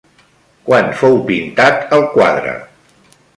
Quan fou pintat el quadre?